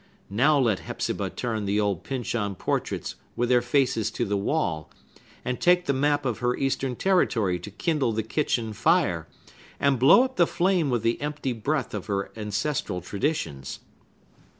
Now let Hepzibah turn the old Pyncheon portraits with their faces to the wall, and take the map of her Eastern territory to kindle the kitchen fire, and blow up the flame with the empty breath of her ancestral traditions!